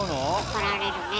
怒られるね。